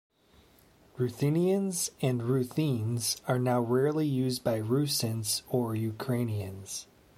"Ruthenians" and "Ruthenes" are now rarely used by Rusyns or Ukrainians.